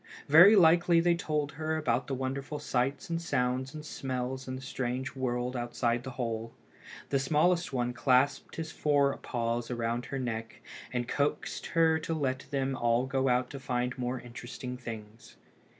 Very likely they told her about the wonderful sights and sounds and smells in the strange world outside the hole. The smallest one clasped his fore paws around her neck, and coaxed her to let them all go out to find more interesting things.